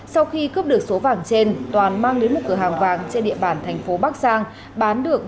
sau khi cướp được số vàng trên toàn mang đến một cửa hàng vàng trên địa bàn thành phố bắc giang bán được